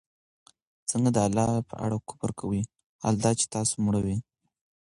څنگه د الله په اړه كفر كوئ! حال دا چي تاسو مړه وئ